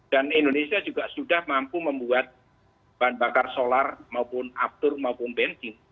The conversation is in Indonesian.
dan indonesia juga sudah mampu membuat bahan bakar solar maupun abtur maupun benzine